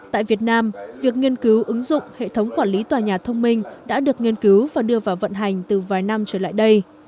tại việt nam việc nghiên cứu ứng dụng hệ thống quản lý tòa nhà thông minh đã được nghiên cứu và đưa vào vận hành từ vài năm trở lại đây